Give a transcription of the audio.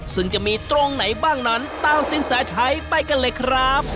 ซึ่งจะมีตรงไหนบ้างนั้นตามสินแสชัยไปกันเลยครับ